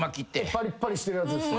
パリッパリしてるやつですよね。